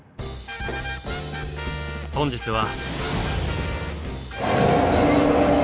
本日は。